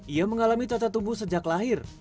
ia mengalami cacat tubuh sejak lahir